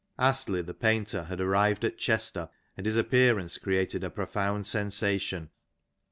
Astley the painter had arrived at Chester, and his appearance created a profound sensation.